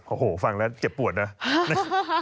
โอ้โฮฟังแล้วเจ็บปวดหรือ